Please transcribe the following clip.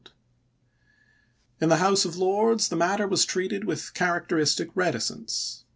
In the House of Lords the matter was treated with characteristic reticence.